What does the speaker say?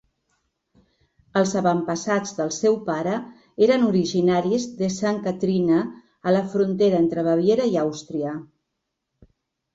Els avantpassats del seu pare eren originaris de Sankt Kathrina, a la frontera entre Baviera i Àustria.